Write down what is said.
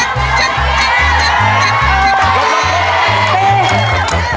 เท่าไหร่ลุก